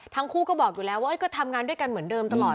ทั้งคู่ก็บอกอยู่แล้วว่าก็ทำงานด้วยกันเหมือนเดิมตลอด